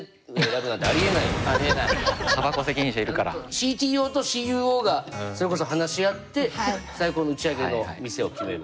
ＣＴＯとＣＵＯがそれこそ話し合って最高の打ち上げの店を決める。